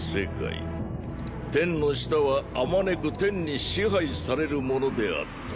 天の“下”はあまねく天に支配されるものであった。